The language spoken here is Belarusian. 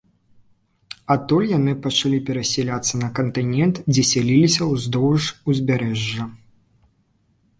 Адтуль яны пачалі перасяляцца на кантынент, дзе сяліліся ўздоўж узбярэжжа.